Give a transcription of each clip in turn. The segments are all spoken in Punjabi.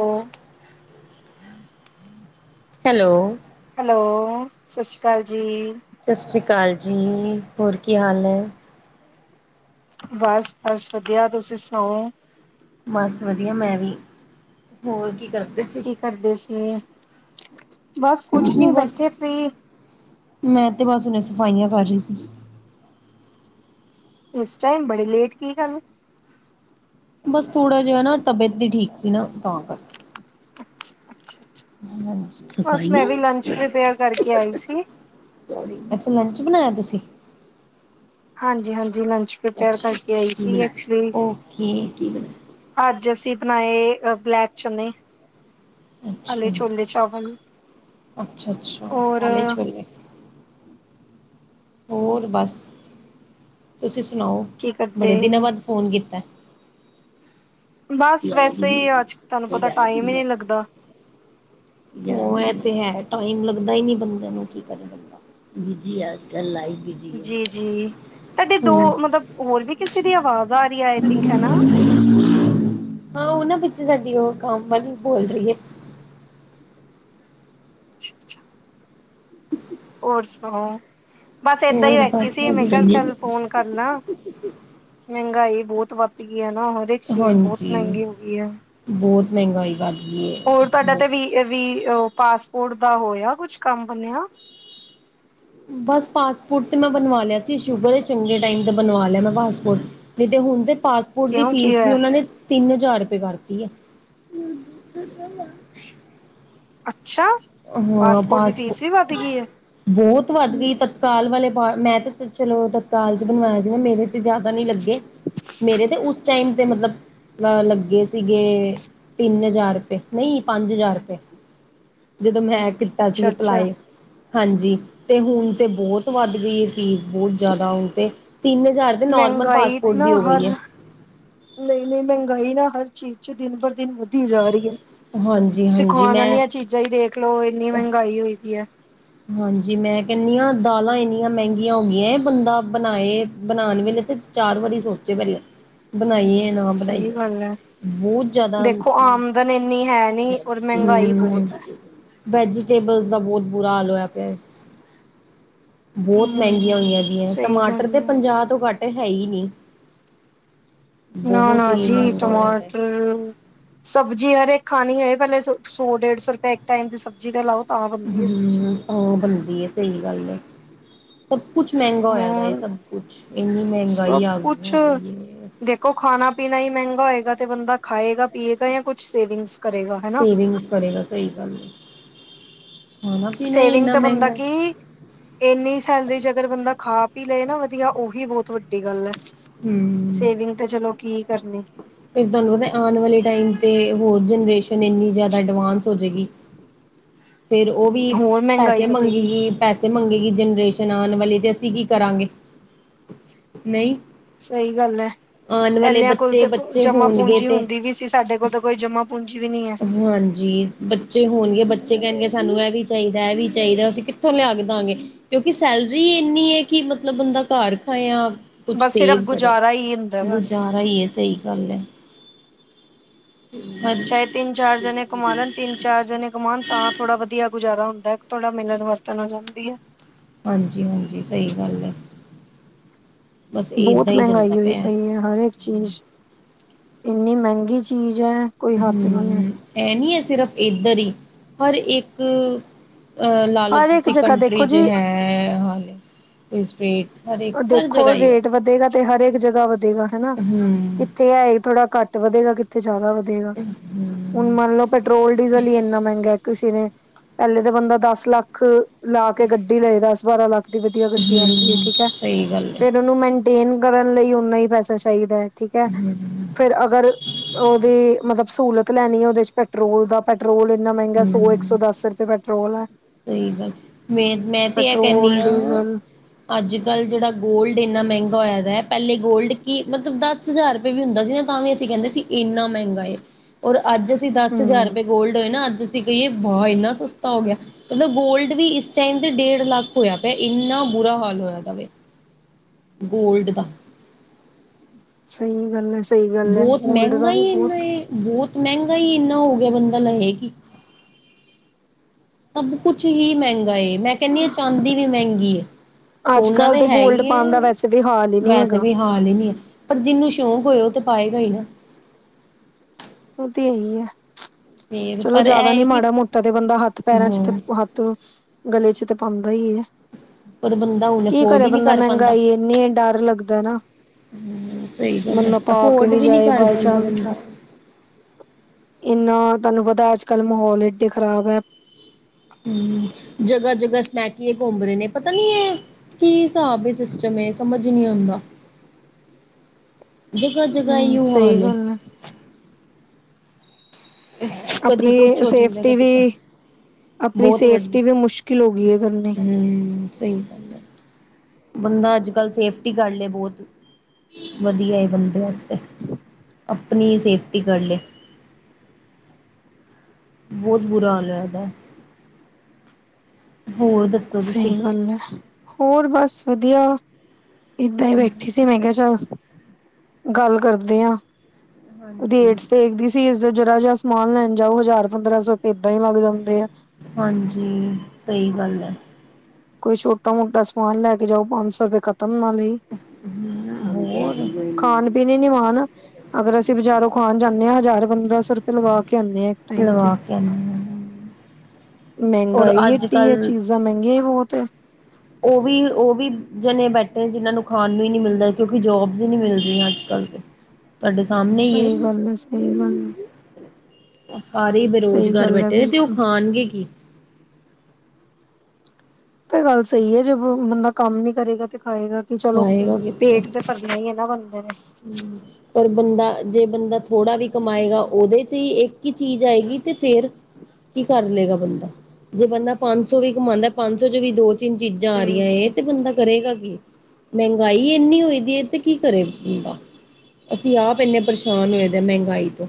ਹੋਰ ਹੈਲੋ ਹੈਲੋ ਸਤਿ ਸ਼੍ਰੀ ਅਕਾਲ ਜੀ। ਸਤਿ ਸ਼੍ਰੀ ਅਕਾਲ ਜੀ ਹੋਰ ਕੀ ਹਾਲ ਏ। ਬਸ ਬਸ ਵਧੀਆ, ਤੁਸੀਂ ਸੁਣਾਓ? ਬਸ ਵਧੀਆ ਮੈਂ ਵੀ ਹੋਰ ਕੀ ਕਰਦੇ ਸੀ ਕੀ ਕਰਦੇ ਸੀਗੇ ਬਸ ਕੁਛ ਨੀ ਬੈਠੇ ਫ੍ਰੀ ਮੈਂ ਤੇ ਬਸ ਹੁਣੇ ਸਫਾਈਆਂ ਕਰ ਰਹੀ ਸੀ। ਇਸ ਟਾਈਮ ਬੜੇ ਲੇਟ ਕੀ ਗੱਲ ਬਸ ਥੋੜਾ ਜਿਆ ਨਾ ਤਬੀਅਤ ਨੀ ਠੀਕ ਸੀ ਨਾ ਤਾਂ ਕਰ ਹਾਂਜੀ ਬਸ ਮੈਂ ਵੀ ਲੰਚ ਪ੍ਰ ਪੇਅਰ ਕਰਕੇ ਆਈ ਸੀ ਅੱਛਾ ਲੰਚ ਬਣਾਇਆ ਤੁਸੀਂ ਹਾਂਜੀ ਹਾਂਜੀ ਲੰਚ ਪ੍ਰਪੇਅਰ ਕਰਕੇ ਅੱਛਾ ਆਈ ਸੀ ਐਕਚੁਲੀ ਓਕੇ ਅੱਜ ਅਸੀਂ ਬਣਾਏ ਬਲੈਕ ਚਨੇ ਕਾਲੇ ਅੱਛਾ ਛੋਲੇ ਚਾਵਲ ਅੱਛਾ ਅੱਛਾ ਹੋਰ। ਕਾਲੇ ਛੋਲੇ ਹੋਰ ਬਸ ਤੁਸੀਂ ਸੁਣਾਓ? ਕੀ ਬੜੇ ਕਰਦੇ ਦਿਨਾਂ ਬਾਅਦ ਫ਼ੋਨ ਕੀਤਾ। ਬਸ ਵੈਸੇ ਹੀ ਅੱਜ ਤੁਹਾਨੂੰ ਪਤਾ ਟਾਈਮ ਹੀ ਨਹੀਂ ਲੱਗਦਾ। ਉਹ ਤੇ ਹੈ ਟਾਈਮ ਲੱਗਦਾ ਹੀ ਨਹੀਂ ਬੰਦੇ ਨੂੰ ਕੀ ਕਰੇ ਬੰਦਾ। ਬਿਜੀ ਆ ਅੱਜ ਕੱਲ ਲਾਈਫ ਬਿਜੀ। ਜੀ ਜੀ ਤੁਹਾਡੇ ਦੋ ਮਤਲਬ ਹੋਰ ਵੀ ਕਿਸੇ ਦੀ ਆਵਾਜ਼ ਆ ਰਹੀ ਹੈ ਆਈ ਥਿੰਕ ਹੈਨਾ ਹਾਂ ਉਹ ਨਾ ਪਿੱਛੇ ਸਾਡੀ ਉਹ ਕੰਮ ਵਾਲੀ ਬੋਲ ਰਹੀ ਹੈ। ਅੱਛਾ ਅੱਛਾ। ਹੋਰ ਸੁਣਾਓ? ਬਸ ਏਦਾਂ ਹੀ ਹੋਰ ਬੈਠੀ ਬਸ ਸੀ ਮੈਂ ਕਿਹਾ ਵਧੀਆ ਚੱਲ ਫੋਨ। ਕਰਨਾ ਮਹਿੰਗਾਈ ਬਹੁਤ ਵੱਧ ਗਈ ਹੈ ਨਾ ਉਹਦੇ। ਹਾਂਜੀ ਬਹੁਤ ਮਹਿੰਗਾਾਈ ਵੱਧ ਗਈ। ਹੋਰ, ਤੁਹਾਡਾ ਹੈ। ਤੇ ਵੀ ਪਾਸਪੋਰਟ ਦਾ ਹੋਇਆ ਕੁਛ ਕੰਮ ਬਣਿਆ। ਬਸ ਪਾਸਪੋਰਟ ਤੇ ਮੈਂ ਬਣਵਾ ਲਿਆ ਸੀ ਸੁਕਰ ਏ ਚੰਗੇ ਟਾਈਮ ਤੇ ਬਣਵਾ ਲਿਆ ਮੈਂ ਪਾਸਪੋਰਟ। ਨਹੀਂ ਤੇ ਹੁਣ ਦੇ ਪਾਸ ਪਾਸਪੋਰਟ ਦੀ ਕਿਉਂ ਕੀ ਫੀਸ ਵੀ ਹੋਇਆ? ਉਹਨਾਂ ਨੇ ਤਿੰਨ ਹਜ਼ਾਰ ਰੁਪਏ ਕਰ ਦਿੱਤੀ ਆ। ਅੱਛਾ! ਹਾਂ ਪਾਸਪੋਰਟ ਦੀ ਪਾਸਪੋ ਫੀਸ ਵੀ ਵੱਧ ਗਈ ਹੈ। ਬਹੁਤ ਵੱਧ ਗਈ ਤਤਕਾਲ ਵਾਲੇ ਪਾ ਮੈਂ ਤੇ ਚਲੋ ਤਤਕਾਲ ਚ ਬਣਵਾਇਆ ਸੀ ਨਾ ਮੇਰੇ ਤੇ ਜ਼ਿਆਦਾ ਨਹੀਂ ਲੱਗੇ। ਮੇਰੇ ਤੇ ਉਸ ਟਾਈਮ ਦੇ ਮਤਲਬ। ਆ ਲੱਗੇ ਸੀਗੇ ਤਿੰਨ ਹਜ਼ਾਰ ਰੁਪਏ, ਨਹੀਂ ਪੰਜ ਹਜ਼ਾਰ ਰੁਪਏ। ਜਦੋਂ ਮੈਂ ਕੀਤਾ ਅੱਛਾ ਸੀ ਅੱਛਾ। ਅਪਲਾਈ। ਹਾਂਜੀ ਤੇ ਹੁਣ ਤੇ ਬਹੁਤ ਵੱਧ ਗਈ ਹੈ ਫੀਸ ਬਹੁਤ। ਜ਼ਿਆਦਾ ਹੁਣ ਤੇ ਤਿੰਨ ਹਜ਼ਾਰ ਦੇ ਨੋਰਮਲ ਮਹਿੰਗਾਈ ਪਾਸਪੋਰਟ ਨਾ ਵੀ ਹੋ ਹਰ ਗਈ ਹੈ। ਨਹੀਂ, ਨਹੀਂ ਮਹਿੰਗਾਈ ਨਾ ਹਰ ਚੀਜ਼ ਚ ਦਿਨ ਬ ਦਿਨ ਵ। ਜਾ ਰਹੀ ਹੈ ਹਾਂਜੀ ਤੁਸੀਂ ਹਾਂਜੀ ਖਾਣ ਮੈਂ ਵਾਲੀਆਂ ਚੀਜ਼ਾਂ ਹੀ ਦੇਖ ਲਓ ਇੰਨੀ ਮਹਿੰਗਾਈ ਹੋਈ ਪਈ ਏ। ਹਾਂਜੀ ਮੈਂ ਕਹਿੰਦੀ ਹਾਂ ਦਾਲਾਂ ਇੰਨੀਆਂ ਮਹਿੰਗੀਆਂ ਹੋ ਗਈਆਂ ਬੰਦਾ ਬਣਾਏ ਬਣਾਉਣ ਵੇਲੇ ਤੇ। ਚਾਰ ਵਾਰੀ ਸੋਚੇ ਪਹਿਲਾ ਬਣਾਈਏ। ਨਾ ਸਹੀ ਬਣਾਈਏ ਗੱਲ ਹੈ। ਬਹੁਤ ਜ਼ਿਆਦਾ ਹਮ ਦੇਖੋ ਆਮਦਨ ਇੰਨੀ ਹੈ ਨੀ ਔਰ ਮਹਿੰਗਾਈ ਬਹੁਤ ਹੈ। ਵੈਜੀਟੇਬਲ ਦਾ ਬਹੁਤ ਬੁਰਾ ਹਾਲ ਹੋਇਆ ਪਿਆ। ਬਹੁਤ ਮਹਿੰਗੀਆਂ ਹੂੰ, ਹੋਈਆਂ ਗੀਆ ਸਹੀ ਗੱਲ ਟਮਾਟਰ ਤੇ ਹੈ, ਪੰਜਾਹ ਤੋਂ ਘੱਟ ਹੈ ਹੀ ਨਹੀਂ। ਨਾ ਬਹੁਤ ਨਾ ਹੀ ਜੀ ਮਹਿੰਗਾ ਹੋਇਆ ਪਿਆ ਟਮਾਟਰ। ਸਬਜ਼ੀ ਹਰੇਕ ਖਾਣੀ ਹੋਏ ਪਹਿਲੇ ਸੌ ਡੇਢ ਸੌ ਰੁਪਏ ਇੱਕ ਟਾਈਮ ਦੀ ਸਬਜ਼ੀ ਤੇ ਲਾਓ। ਤਾਂ ਬਣਦੀ ਹੈ ਸਬਜ਼ੀ। ਹਮ, ਉਹ ਬਣਦੀ ਹੈ ਸਹੀ ਗੱਲ ਹੈ। ਸਭ ਕੁਛ ਮਹਿੰਗਾ ਹੋਇਆ ਹਾਂ, ਦਾ ਸਭ ਕੁਛ ਇੰਨੀ ਸਭ ਮਹਿੰਗਾਈ ਆ ਕੁਛ ਗਈ ਹੈ। ਦੇਖੋ ਖਾਣਾ ਪੀਣਾ ਹੀ ਮਹਿੰਗਾ ਹੋਏਗਾ ਤੇ ਬੰਦਾ ਖਾਏਗਾ ਪੀਏਗਾ ਜਾਂ ਕੁਛ ਸੇਵਿੰਗਸ ਕਰੇਗਾ। ਹਨਾ, ਸੇਵਿੰਗਸ ਕਰੇਗਾ ਸਹੀ ਗੱਲ ਹੈ। ਖਾਣਾ ਪੀਣਾ ਹੀ ਸੇਵਿੰਗ ਇੰਨਾ ਤਾਂ ਬੰਦਾ ਮਹਿੰਗਾ ਹੈ ਕੀ। ਇੰਨੀ ਸੈਲਰੀ ਚ ਅਗਰ ਬੰਦਾ ਖਾ ਪੀ ਲਏ ਨਾ ਵਧੀਆ ਉਹੀ ਬਹੁਤ ਵੱਡੀ ਗੱਲ ਹੈ। ਹੂੰ। ਸੇਵਿੰਗ ਤੇ ਚਲੋ ਕੀ ਕਰਨੀ। ਫੇਰ ਤੁਹਾਨੂੰ ਤੇ ਆਣ ਵਾਲੇ ਟਾਈਮ ਤੇ ਹੋਰ ਜਨਰੇਸ਼ਨ ਏਨੀ ਜਿਆਦਾ ਐਡਵਾਂਸ ਹੋ ਜਏਗੀ। [inaudible] ਫਿਰ ਓਹ ਵੀ ਹੋਰ ਮਹਿੰਗਾਈ ਪੈਸੇ ਵਧੇਗੀ, ਮੰਗੇਗੀ। ਪੈਸੇ ਮੰਗੇਗੀ ਜਨਰੇਸ਼ਨ ਆਣ ਵਾਲੀ ਤੇ। ਅਸੀਂ ਕੀ ਕਰਾਂਗੇ? ਨਹੀਂ। ਸਹੀ ਗੱਲ ਐ, ਆਉਣ ਵਾਲੇ ਪਹਿਲੀਆਂ ਕੋਲ ਬੱਚੇ ਤਾਂ ਪ ਬੱਚੇ ਜਮਾ ਹੋਣਗੇ ਪੂੰਜੀ ਤੇ ਹੁੰਦੀ ਵੀ ਸੀ, ਸਾਡੇ ਕੋਲ ਤੇ। ਕੋਈ ਜਮ੍ਹਾਂ ਪੂੰਜੀ ਵੀ ਨਹੀਂ ਆ। ਹੂ ਹਾਂਜੀ, ਬੱਚੇ ਹੋਣਗੇ ਬੱਚੇ ਕਹਿਣਗੇ ਸਾਨੂੰ ਐ ਵੀ ਚਾਹੀਦਾ ਐਹ ਵੀ ਚਾਹੀਦਾ, ਅਸੀਂ ਕਿੱਥੋਂ ਲਿਆ ਕੇ ਦਵਾਂਗੇ? ਕਿਉਂਕਿ ਸੈਲਰੀ ਏਨੀ ਏ ਕਿ ਮਤਲਬ ਬੰਦਾ ਘਰ ਖਾਇਆ। ਕੁਛ ਬਸ ਸਿਰਫ਼ ਸੇਵ ਕਰੇ। ਗੁਜ਼ਾਰਾ ਹੀ ਹੁੰਦਾ ਬਸ। ਗੁਜ਼ਾਰਾ ਈ ਏ, ਸਹੀ ਗੱਲ ਏ। ਹਾਂ। ਚਾਏ ਤਿੰਨ-ਚਾਰ, ਜਣੇ ਕਮਾ ਲਨ, ਤਿੰਨ- ਚਾਰ ਜਣੇ ਕਮਾਨ। ਤਾਂ ਥੋੜਾ ਵਧੀਆ, ਗੁਜ਼ਾਰਾ ਹੁੰਦਾ ਏ। ਇੱਕ ਥੋੜਾ ਮਿਲਣ ਵਰਤਣ ਹੋ ਜਾਂਦੀ‌ ਐ। ਹਾਂਜੀ- ਹਾਂਜੀ, ਸਹੀ ਗੱਲ ਐ। ਬੌਤ ਮੈੰਗਾਈ, ਹੋਈ ਪਿਆ। ਪਈ ਐ। ਹਰ ਏਕ ਚੀਜ਼, ਇੰਨੀ ਮੈੰਗੀ ਚੀਜ਼ ਐ। ਹੂੰ, ਐ ਨੀ ਐ ਸਿਰਫ਼, ਏਧਰ ਹੀ। ਪਰ ਇੱਕ ਅ ਲਾਲੋ ਹਰ ਇੱਕ ਤੁਸੀਂ, ਜਗ੍ਹਾ ਕੰਟਰੀ ਦੇਖੋ ਚ ਜੀ। ਹੈ। ਹਾਲੇ ਤੇ ਸਟ੍ਰੇਟ ਸਾਰੇ ਅ ਦੇਖੋ ਰੇਟ, ਵਧੇਗਾ ਤੇ ਹਰੇਕ ਜਗਾ, ਵਧੇਗਾ ਹੈਨਾ। ਹੂੰ ਕਿ, ਤੇ ਐ ਏ, ਥੋੜਾ ਘੱਟ ਵਧੇਗਾ, ਕਿਥੇ ਜੈਦਾ ਵਧੇਗਾ। ਹੁਣ ਮੰਨ ਲੋ ਪੈਟਰੋਲ, ਡੀਜ਼ਲ ਹੀ ਇੰਨਾ ਮੈੰਗਾ ਹੈ। ਕਿਸੀ ਨੇ, ਪੈਲੇ ਤਾਂ ਬੰਦ ਦਸ ਲੱਖ ਲਾ ਕੇ ਗੱਡੀ ਲਏਗਾ। ਦਸ-ਬਾਰਾਂ ਲੱਖ। ਦੀ ਹੂੰ, ਸਹੀ ਗੱਲ। ਹੈ ਐਨੂੰ ਮੈਨਟੇਨ, ਕਰਨ ਲਈ ਉਹਨਾਂ ਹੀ ਪੈਸਾ ਚਾਹੀਦਾ ਹੈ, ਠੀਕ ਹੈ। ਫੇਰ ਅਗਰ ਓਹਦੀ, ਮਤਲਬ ਸੂਲਤ ਲੈਣੀ ਔਦੇ ਚ ਪੈਟਰੋਲ ਦਾ ਪੈਟਰੋਲ ਇੰਨਾ ਮੈੰਗਾ, ਸੋ, ਇੱਕ ਸੌ ਹੂੰ ਦਸ ਰੁਪਏ ਪੈਟਰੋਲ ਐ। ਸਹੀ ਗੱਲ, ਮੇ ਮੈਂ ਤੇ ਐ ਕੈਣੀ ਪੈਟਰੋਲ ਆਂ। ਡੀਜ਼ਲ ਅੱਜ-ਕੱਲ ਜੇੜਾ ਗੋਲਡ, ਇੰਨਾ ਮੈੰਗਾ ਹੋਯੈ ਦੈ। ਪੈਲੇ ਗੋਲਡ ਕੀ ਮਤਲਬ ਦੱਸ ਜ਼ਾਰ ਰੁਪਏ ਵੀ ਹੁੰਦਾ ਸੀ। ਨਾ ਤਾਂ ਵੀ, ਅਸੀਂ ਕੈੰਦੇ ਸੀ ਇੰਨਾ ਮੈੰਗਾ ਏ। ਔਰ ਅੱਜ ਅਸੀਂ, ਦਸ ਹਜ਼ਾਰ ਹਮ ਰੁਪਏ ਗੋਲਡ ਹੋਏ, ਨਾ। ਅੱਜ ਅਸੀਂ ਕਹੀਏ ਵਾਹ ਇੰਨਾ ਸਸਤਾ ਹੋ ਗਿਆ। ਪਤਾ ਗੋਲਡ ਵੀ ਇਸ ਟਾਈਮ ਤੇ, ਡੇਢ ਲੱਖ ਹੋਯਾ ਪਿਆ ਹੈ। ਇੰਨਾ ਬੁਰਾ ਹਾਲ ਹੋਯਾ ਦਾ ਵੇ। ਗੋਲਡ ਦਾ। ਸਹੀ ਗੱਲ ਹੈ। ਸਹੀ ਗੱਲ ਹੈ ਬੌਤ ਗੋਲਡ ਮੈੰਗਾ ਦਾ ਵੀ ਹੀ ਇੰਨਾ ਬਹੁਤ ਏ। ਬੌਤ ਮੈੰਗਾ ਹੀ ਇੰਨਾ ਹੋ ਗਿਐ, ਬੰਦਾ ਲਏ ਕਿ। ਸਭ ਕੁਛ ਹੀ ਮੈੰਗਾ ਏ, ਮੈਂ ਕੈਣੀ ਆਂ ਚਾਂਦੀ ਵੀ ਮੈੰਗੀ ਏ, ਅੱਜ ਸੋਨਾ ਕੱਲ੍ਹ ਤਾਂ ਤੇ ਹੈ ਗੋਲਡ ਈ ਪਾਉਣ ਦਾ ਏ, ਵੈਸੇ ਵੀ ਹਾਲ ਹੀ ਨਹੀਂ ਵੈਸੇ ਹੈਗਾ ਵੀ ਖਾ ਲੈਣੀ ਆ। ਪਰ ਜਿਨੂੰ ਸ਼ੌਂਕ ਹੋਏ, ਔਹ ਤੇ ਪਾਏਗਾ ਈ ਨਾ। ਉਹ ਤੇ ਔਹੀ ਹੈ। ਫੇਰ ਚਲੋ ਪਰ ਇਹ ਜਿਆਦਾ ਹੈ ਨੀ, ਕਿ ਮਾੜਾ ਮੋਟਾ ਤੇ ਬੰਦਾ ਹੱਥ, ਪੈਰਾਂ ਚ ਤੇ ਹਾਂ ਹੱਥ ਤ ਗਲੇ ਚ, ਤਾਂ ਪਾੰਦਾ ਹੀ ਏ। ਪਰ ਬੰਦਾ ਹੁਣ ਕੀ ਅਫੋਰਡ ਕਰੇ ਹੀ ਨਹੀਂ ਬੰਦਾ। ਕਰ ਪਾਉਂਦਾ ਮੈੰਗਾਈ ਏਨੀ ਏ, ਡਰ ਲੱਗਦ ਏ ਨਾ। ਹਮ ਸਹੀ ਗੱਲ ਹੈ ਬੰਦਾ ਪਾ ਕੇ ਅਫੋਰਡ ਵੀ, ਨਹੀਂ ਜਾਏ ਕਰ ਬਾਏ ਪਾਉਂਦਾ ਚਾਂਸ। ਬੰਦਾ ਇੰਨਾ ਤੁਹਾਨੂੰ ਪਤਾ, ਅੱਜ-ਕੱਲ ਮਹੌਲ ਏਡੇ ਖ਼ਰਾਬ ਐ। ਹੂੰ, ਜਗਾ-ਜਗਾ, ਸਮੈਕੀਏ ਘੁੰਮ ਰੇ ਨੇ। ਪਤਾ ਨੀ ਏ ਕੀ ਹਿਸਾਬ ਏ, ਸਿਸਟਮ ਏ, ਸਮਝ ਨੀ ਔੰਦਾ। ਜਗਾ-ਜਗਾ, ਹਮ ਅਈਔ ਸਹੀ ਹਾਲ ਏ। ਗੱਲ ਹੈ ਕਦੀ ਅਪਣੀ ਸੇਫਟੀ ਵੀ ਆਪਣੀ ਬੌਤ ਵਡ--ਹੂੰ ਸੇਫਟੀ ਵੀ ਮੁਸ਼ਕਿਲ ਹੋ ਗਈ ਹੈ ਕਰਨੀ ਸਹੀ ਗੱਲ ਐ। ਬੰਦਾ ਅੱਜ-ਕੱਲ, ਸੇਫਟੀ ਕਰਲੇ ਬੌਤ ਵਧੀਆ ਏ, ਬੰਦੇ ਅਸ ਤੇ ਅਪਣੀ ਹੀ, ਸੇਫਟੀ ਕਰ ਲੇ। ਬੌਤ ਬੁਰਾ, ਹਾਲ ਹੋਯਾ ਦੈ। ਹੋਰ ਦੱਸ? ਸਹੀ ਗੱਲ ਹੈ। ਹੋਰ ਬਸ ਵਧੀਆ। ਏਦਾਂ ਹੀ ਬੈਠੀ ਸੀ, ਮੈਂ ਕਿਹਾ ਚੱਲ। ਗੱਲ ਕਰਦੇ ਹਾਂ। ਹਾਂਜੀ ਰੇਟਸ ਦੇਖਦੀ ਸੀ, ਇਸ ਜਰਾ ਜਿਹਾ ਸਮਾਨ ਲੈਣ ਜਾਓ ਹਜ਼ਾਰ, ਪੰਦਰਾਂ ਸੌ, ਏਦਾਂ ਹੀ ਲੱਗ ਜਾਂਦੇ ਆ। ਹਾਂਜੀ, ਸਹੀ ਗੱਲ ਹੈ। ਕੋਈ ਛੋਟਾ- ਮੋਟਾ, ਸਮਾਨ ਲੈ ਕੇ ਜਾਓ। ਪੰਜ ਸੌ ਰੁਪਏ ਖਤਮ ਨਾਲ ਲਈ [unintelligible] ਖਾਣ ਪੀਣ ਹੀ ਨਿ ਮਾਣ, ਅਗਰ ਅਸੀਂ ਬਜ਼ਾਰੋਂ ਖਾਣ ਜਾਂਦੇ ਹਾਂ। ਹਜ਼ਾਰ, ਪੰਦਰਾਂ ਸੌ ਰੁਪਏ ਲਗਾ ਕੇ ਆਉਂਦੇ ਹਾਂ। ਟਾਈਮ ਤੇ ਲਵਾ ਕੇ ਆਂਣੇ ਆ। ਮਹਿੰਗਾਈ ਐਡੀ ਹੈ ਚੀਜ਼ਾਂ ਮਹਿੰਗੀਆਂ ਹੀ ਬਹੁਤ ਹੈ। ਉਹ ਵੀ ਉਹ ਵੀ ਜਣੇ ਬੈਠੇ ਜਿਹਨਾਂ ਨੂੰ ਖਾਣ ਨੂੰ ਹੀ ਨੀ ਮਿਲਦਾ ਕਿਉਂਕਿ ਜੋਬਸ ਹੀ ਨਹੀਂ ਮਿਲਦੀਆਂ ਅੱਜ ਕੱਲ [inaudible] ਤੁਹਾਡੇ ਸਾਹਮਣੇ ਸਹੀ ਗੱਲ ਹੈ। ਸਹੀ ਗੱਲ ਆ। ਸਾਰੇ ਹੀ ਬੇਰੁਜ਼ਗਾਰ ਗੱਲ ਹੈ ਬੈਠੇ ਨੇ। ਤੇ ਉਹ ਬਿਲਕੁਲ ਖਾਣਗੇ ਕੀ? ਤਾਂ ਇਹ ਗੱਲ ਸਹੀ ਹੈ ਜੇ ਬੰਦਾ ਕੰਮ ਨੀ ਕਰੇਗਾ ਤੇ ਖਾਏਗਾ ਕੀ ਕਿ ਚਲੋ ਖਾਏਗਾ ਕਿੱਥੋਂ ਪੇਟ ਤੇ ਭਰਨਾ ਹੀ ਹੈਨਾ ਬੰਦੇ ਨੇ ਪਰ ਬੰਦਾ ਜੇ ਬੰਦਾ ਥੋੜਾ ਵੀ ਕਮਾਏਗਾ ਉਹਦੇ 'ਚ ਹੀ ਇੱਕ ਹੀ ਚੀਜ਼ ਆਏਗੀ। ਤੇ ਫੇਰ ਕੀ ਕਰ ਲਏਗਾ ਬੰਦਾ ਜੇ ਬੰਦਾ ਪੰਜ ਸੌ ਵੀ ਕਮਾਉਂਦਾ ਪੰਜ ਸੌ 'ਚ ਵੀ ਦੋ ਚਿਨ ਚੀਜ਼ਾਂ ਆ ਸਹੀ ਰਹੀਆਂ ਇਹ ਤੇ ਬੰਦਾ ਕਰੇਗਾ ਕੀ ਮਹਿੰਗਾਈ ਇੰਨੀ ਹੋਈ ਦੀ ਹੈ ਤੇ ਕੀ ਕਰੇ। ਹ ਅਸੀਂ ਆਪ ਇੰਨੇ ਪਰੇਸ਼ਾਨ ਹੋਏ ਦੇ ਮਹਿੰਗਾਈ ਤੋਂ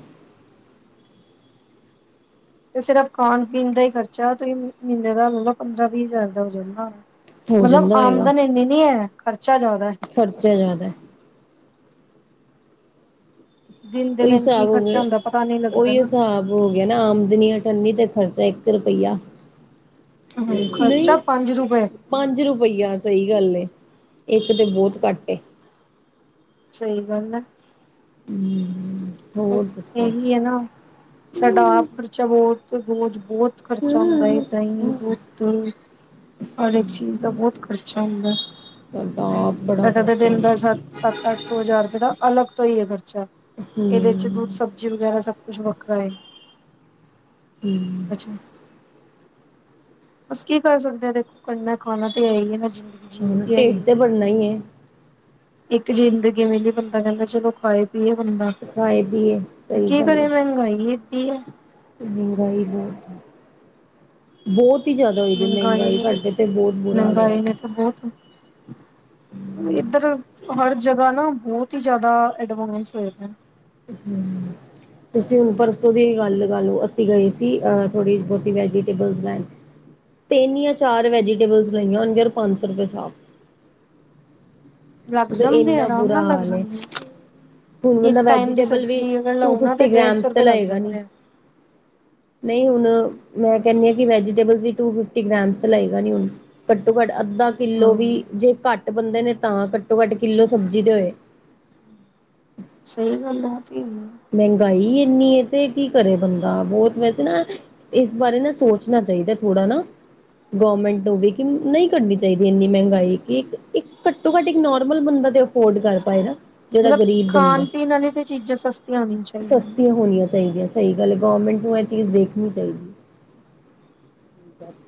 ਤੇ ਸਿਰਫ ਖਾਣ ਪੀਣ ਦਾ ਹੀ ਖਰਚਾ ਤੁਹੀ ਮਹੀਨੇ ਦਾ ਲੈ ਲਓ ਪੰਦਰਾਂ ਵੀਹ ਹਜ਼ਾਰ ਦਾ ਹੋ ਜਾਂਦਾ। ਹੋ ਮਤਲਬ ਜਾਂਦਾ ਹੋਏਗਾ ਆਮਦਨ ਇੰਨੀ ਨੀ ਹੈ ਖਰਚਾ ਜ਼ਿਆਦਾ ਹੈ ਖਰਚਾ ਜ਼ਿਆਦਾ ਦਿਨ ਦੇ ਓਹੀ ਦਿਨ ਕੀ ਹਿਸਾਬ ਹੋ ਖਰਚਾ ਗਿਆ। ਹੁੰਦਾ ਪਤਾ ਨਹੀਂ ਲੱਗਦਾ ਓਹੀ ਨਾ ਹਿਸਾਬ ਹੋ ਗਿਆ ਨਾ ਆਮਦਨੀ ਆਠੰਨੀਤੇ ਖਰਚਾ ਇੱਕ ਰੁਪਈਆ ਹੂੰ ਖਰਚਾ ਨਹੀਂ ਪੰਜ ਰੁਪਏ ਪੰਜ ਰੁਪਈਆ ਸਹੀ ਗੱਲ ਏ ਇੱਕ ਤੇ ਬਹੁਤ ਘੱਟ ਏ। ਸ਼ਹੀ ਗੱਲ ਐ। [inaudible] ਬਸ ਦੱਸੋ ਇਹੀ ਹੈ ਨਾ ਸਾਡਾ ਆਪ ਖਰਚਾ ਬਹੁਤ ਦੋਜ ਬਹੁਤ ਖਰਚਾ ਹੁੰਦਾ ਹੈ ਦਹੀਂ ਦੁੱਧ ਹਰ ਇੱਕ ਚੀਜ਼ ਦਾ ਬਹੁਤ ਖਰਚਾ ਹੁੰਦਾ। ਸਾਡਾ ਆਪ ਬੜਾ ਸਾਡਾ ਤਾਂ ਖਰਚਾ ਦਿਨ ਏ ਦਾ ਸੱ ਸੱਤ ਅੱਠ ਸੌ ਹਜ਼ਾਰ ਰੁਪਏ ਦਾ ਅਲੱਗ ਤੋਂ ਹੀ ਹੈ ਖਰਚਾ ਇਹਦੇ 'ਚ ਦੁਧ ਹੂੰ ਸਬਜ਼ੀ ਵਗੈਰਾ ਸਭ ਕੁਛ ਵੱਖਰਾ ਏ। [inaudible] ਬਸ ਕੀ ਕਰ ਸਕਦੇ ਹ ਦੇਖੋ ਕਰਨਾ ਖਾਣਾ ਤਾਂ ਹੈ ਹੀ ਹੈ ਮ ਜ਼ਿੰਦਗੀ ਜੀਵ ਹੁਣ ਤੇ ਹੈ ਹੀ ਢਿੱਡ ਹੈ। ਭਰਨਾ ਹੀ ਏ ਇੱਕ ਜ਼ਿੰਦਗੀ ਮਿਲੀ ਬੰਦਾ ਕਹਿੰਦਾ ਚਲੋ ਖਾਏ। ਵੀ ਬੰਦਾ ਖਾਏ ਪੀਏ ਤੇ ਸਹੀ ਕੀ ਗੱਲ ਏ ਕਰੇ ਮਹਿੰਗਾਈ ਏਡੀ ਐ। [inaudible] ਮਹਿੰਗਾਈ ਬਹੁਤ ਬਹੁਤ ਹੀ ਜ਼ਿਆਦਾ ਹੋਈ ਦੀ ਮਹਿੰਗਾਈ ਸਾਡੇ ਤੇ ਬਹੁਤ ਬੁਰਾ ਹਾਲ ਹੋਇਆ ਮਹਿੰਗਾਈ ਦਾ। ਨੇ ਤਾਂ ਬਹੁਤ ਇੱਧਰ ਹਰ ਜਗ੍ਹਾ ਨਾ ਬਹੁਤ ਹੀ ਜ਼ਿਆਦਾ ਅਡਵਾਂਸ ਹੋਏ ਨੇ। [inaudible] ਤੁਸੀਂ ਹੁਣ ਪਰਸੋਂ ਦੀ ਗੱਲ ਲੱਗਾ ਲਓ ਅਸੀਂ ਗਏ ਸੀ ਥੋੜ੍ਹੀ ਬਹੁਤੀ ਵੈਜੀਟੇਬਲਸ ਲੈਣ। ਤਿੰਨ ਜਾਂ ਚਾਰ ਵੈਜੀਟੇਬਲਸ ਲਈਆਂ ਹੋਣਗੀਆਂ ਜਰ ਪੰਜ ਸੌ ਰੁਪਏ ਸਾਫ਼ ਲੱਗ ਉਹ ਜਾਂਦੇ ਆ ਇੰਨਾ ਆਰਾਮ ਬੁਰਾ ਨਾਲ ਲੱਗ ਹਾਲ ਇਹ ਜਾਂਦੇ ਆ ਹੁਣ ਬੰਦਾ ਇੱਕ ਟਾਈਮ ਦੀ ਵੈਜੀਟੇਬਲ ਵੀ ਸਬਜ਼ੀ ਅਗਰ ਟੂ ਲਓ ਨਾ ਤਾਂ ਫਿਫਟੀ ਡੇਢ ਗ੍ਰਾਮਸ ਸੌ ਤੇ ਰੁਪਏ ਲੱਗ ਲਏਗਾ ਨੀ। ਜਾਂਦੇ ਆ ਨਹੀ ਹੁਣ ਮੈਂ ਕਹਿੰਨੀ ਆ ਕਿ ਵੈਜੀਟੇਬਲ ਵੀ ਟੂ ਫਿਫਟੀ ਗ੍ਰੇਮਸ ਤ ਲਏਗਾ ਨੀ ਹੁਣ ਘੱਟੋ ਘੱਟ ਅੱਧਾ ਹਾਂ ਕਿੱਲੋ ਵੀ ਜੇ ਘੱਟ ਬੰਦੇ ਨੇ ਤਾਂ ਘੱਟੋ ਘੱਟ ਕਿੱਲੋ ਸਬਜ਼ੀ ਦੇ ਹੋਏ‌। ਸਹੀ ਗੱਲ ਏ ਤੇ ਹੈ। ਮਹਿੰਗਾਈ ਇੰਨੀ ਤੇ ਕੀ ਕਰੇ ਬੰਦਾ ਬੋਤ ਵੈਸੇ ਨਾ ਇਸ ਬਾਰੇ ਨਾ ਸੋਚਣਾ ਚਾਹੀਦਾ ਥੋੜਾ ਨਾ ਗੌਰਮੈਂਟ ਨੂੰ ਵੀ ਕਿ ਨਹੀਂ ਕਰਨੀ ਚਾਹੀਦੀ ਇੰਨੀ ਮਹਿੰਗਾਈ ਕਿ ਇੱਕ ਘੱਟੋ ਘੱਟ ਇੱਕ ਨੋਰਮਲ ਬੰਦਾ ਦੇ ਫੋਰਡ ਕਰ ਪਾਏ ਨਾ ਜਿਹੜਾ ਮਤਲਬ ਗਰੀਬ ਖਾਣ ਬੰਦਾ ਪੀਣ ਆਲਿਆ ਤੇ ਚੀਜ਼ਾਂ ਸਸਤੀਆਂ ਹੋਣੀ ਆ ਚਾਹੀ ਸਸਤੀਆਂ ਹੋਣੀਆਂ ਚਾਹੀਦੀਆਂ ਸਹੀ ਗੱਲ ਐ ਗੌਰਮੈਂਟ ਨੂੰ ਇਹ ਚੀਜ਼ ਦੇਖਣੀ ਚਾਹੀਦੀ।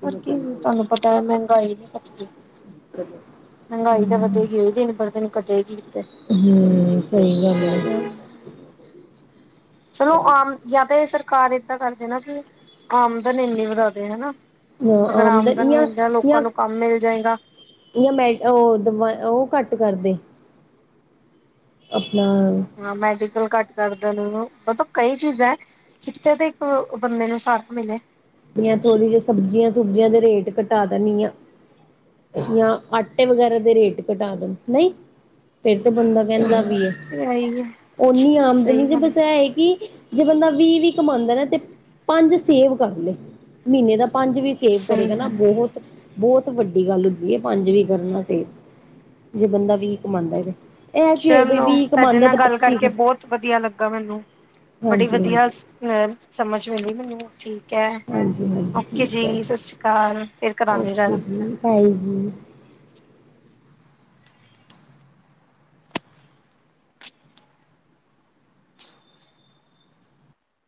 ਪਰ ਕੀ ਤਾਹਨੂੰ ਪਤਾ ਐ ਮਹਿੰਗਾਈ ਨੀ ਘੱਟਦੀ। ਮਹਿੰਗਾਈ ਤਾਂ ਹਮ ਵਧੇਗੀ ਦਿਨ ਪਰ ਦਿਨ ਕਟੇਗੀ ਕਿਥੇ ਹੂੰ ਸਹੀ ਗੱਲ ਏ। ਚਲੋ ਆਮ ਯਾ ਤੇ ਸਰਕਾਰ ਏਦਾਂ ਕਰਦੇ ਨਾ ਕਿ, ਆਮਦਨ ਇੰਨੀ ਵਧਾ ਦੇ ਐਨਾ। ਅਗਰ ਆਮਦਨ ਮਿਲ ਜੇ ਲੋਕਾਂ ਨੂੰ ਕੰਮ ਮਿਲ ਜਏਗਾ। ਯਾ ਮਿਂਟ ਓ ਦਬਾਯਾ ਓ ਘੱਟ ਕਰਦੇ। ਅਪਣਾ ਹਾਂ, ਮੈਡੀਕਲ ਘੱਟ ਕਰਦੇ ਨੇ ਐ, ਮਤਲਬ ਕਈ ਚੀਜ਼ਾਂ ਐ। [unintelligible] ਇੱਕ ਬੰਦੇ ਨੂੰ ਸਾਰਫ ਮਿਲੇ। ਯਾ ਥੋੜੀ ਜੀ ਸਬਜ਼ੀਆਂ ਸੁਬਜ਼ੀਆਂ ਦੇ ਰੇਟ ਘਟਾ ਦਿੰਣੀ ਆ। ਯਾਂ ਆਟੇ ਵਗੈਰਾ ਦੇ ਰੇਟ ਘਟਾ ਦੇਣ ਨਈ ਫੇਰ ਤੇ ਬੰਦਾ ਕੈਂਦਾ ਵੀ ਏ, ਤੇ ਇਹੀ ਹੈ ਓਨੀ ਸਹੀ ਆਮਦਨੀ ਚ ਗੱਲ ਬਸ ਐਏ ਕਿ ਜੇ ਬੰਦਾ ਵੀਹ ਵੀ ਕਮਾਂਦਾ ਨਾ ਤੇ ਪੰਜ ਸੇਵ ਕਰ ਲੇ। ਮੀਹਨੇ ਦਾ ਪੰਜ ਵੀ ਸੇਵ ਸਹੀ ਕਰੇਗਾ ਨਾ ਗੱਲ ਬਹੁਤ, ਬੌਤ ਵੱਡੀ ਗੱਲ ਹੁੰਦੀ ਏ ਪੰਜ ਵੀ ਕਰਨਾ ਸੇਵ ਜੇ ਬੰਦਾ ਵੀ ਕਮਾਂਦੇ ਵੇ। ਚਲੋ ਤਾੱਡੇ ਨਾਲ ਗੱਲ ਕਰਕੇ ਬੌਤ ਵਦੀਆ ਲੱਗਾ ਮੈਨੂੰ, ਬੜੀ ਹਾਂਜੀ ਵਦੀਆ ਹਾਂਜੀ [unintelligible] ਸਮਝ ਮੇ ਆਈ ਮੈਨੂੰ ਠੀਕ ਐ, ਓਕੇ ਜੀ ਸਸੀ ਕਾਲ ਫੇਰ ਓਕੇਜੀ, ਬਾਈ ਜੀ।